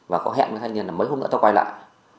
và có hẹn với thanh niên là mấy hôm nữa tôi quay lại